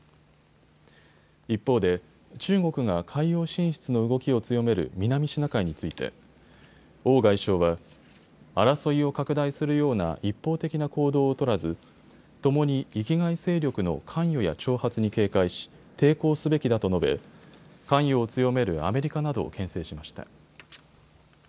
一方で中国が海洋進出の動きを強める南シナ海について王外相は、争いを拡大するような一方的な行動を取らず共に域外勢力の関与や挑発に警戒し抵抗すべきだと述べ関与を強めるアメリカなどをけん制しました。